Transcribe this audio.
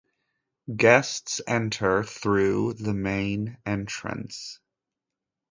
Guests enter through the main entrance.